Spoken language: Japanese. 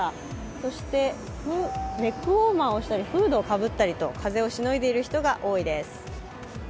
そしてネックウォーマーをしたりフードをかぶったり風をしのいでいる人が多いです。